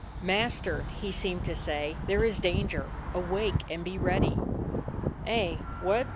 "Master," he seemed to say, "there is dan ger! Awake and be ready." "Eh, what?"